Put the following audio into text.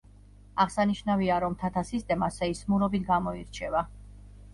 აღსანიშნავია, რომ მთათა სისტემა სეისმურობით გამოირჩევა.